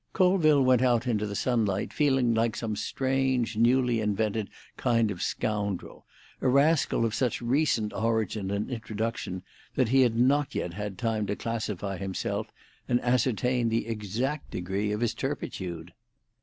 Colville went out into the sunlight feeling like some strange, newly invented kind of scoundrel—a rascal of such recent origin and introduction that he had not yet had time to classify himself and ascertain the exact degree of his turpitude.